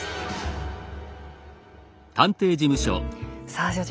さあ所長